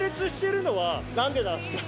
何でなんですか？